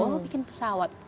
oh bikin pesawat